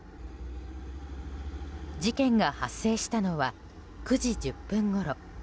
事件が発生したのは９時１０分ごろ。